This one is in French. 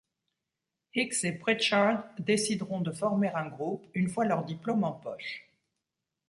Higgs et Pritchard décideront de former un groupe une fois leur diplôme en poche.